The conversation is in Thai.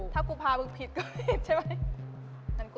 ถูก